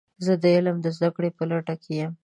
زه د علم د زده کړې په لټه کې یم.